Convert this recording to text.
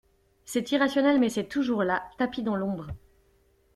C'est irrationnel, mais c'est toujours là, tapis dans l'ombre.